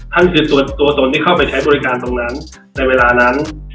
นั่นคือตัวตนที่เข้าไปใช้บริการตรงนั้นในเวลานั้น